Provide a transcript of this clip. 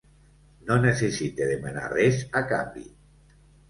No necessite demanar res a canvi.